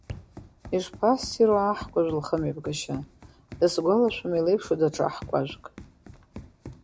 Ишԥассиру аҳкәажәк лхымҩаԥгашьа, дысгәалашәом илеиԥшу даҽа аҳқәажәк.